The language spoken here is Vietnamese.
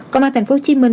còn mà thành phố hồ chí minh